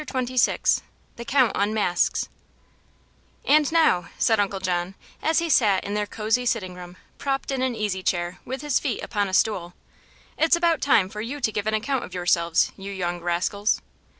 CHAPTER XXVI THE COUNT UNMASKS "And now," said Uncle John, as he sat in their cosy sitting room, propped in an easy chair with his feet upon a stool, "it's about time for you to give an account of yourselves, you young rascals."